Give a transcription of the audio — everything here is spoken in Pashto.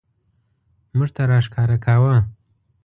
موږ ته راښکاره کاوه.